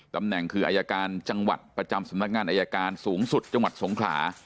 ตำแหน่งคืออายการจังหวัดประจำสำนักงานอายการสูงสุดจังหวัดสงขลา